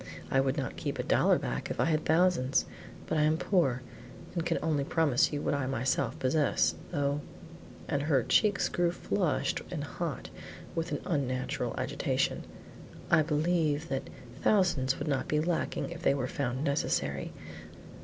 I would not keep a dollar back if I had thousands, but I am poor, and can only promise you what I myself possess; though " and her cheeks grew flushed and hot with an unnatural agitation "I believe that thousands would not be lacking if they were found necessary.